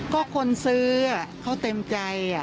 ก็คนซื้อเขาเต็มใจ